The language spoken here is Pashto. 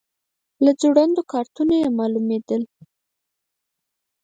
له ځوړندو کارتونو یې معلومېدل.